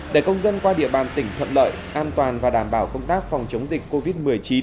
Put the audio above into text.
để công dân qua địa bàn tỉnh thuận lợi an toàn và đảm bảo công tác phòng chống dịch covid một mươi chín